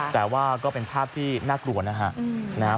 แต่ว่าก็เป็นภาพที่น่ากลัวนะครับ